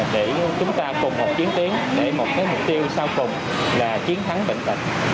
để chúng ta cùng hợp chiến tiến để một mục tiêu sau cùng là chiến thắng bệnh tật